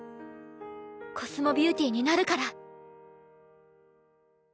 コスモビューティーになるから！